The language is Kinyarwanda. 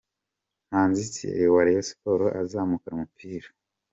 Manzi Thierry wa Rayon Sports azamukana umupira.